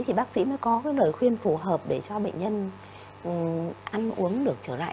thì bác sĩ mới có cái lời khuyên phù hợp để cho bệnh nhân ăn uống được trở lại